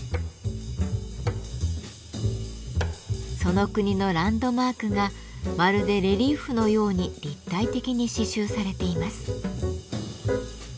その国のランドマークがまるでレリーフのように立体的に刺繍されています。